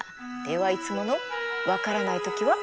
ではいつもの分からない時は？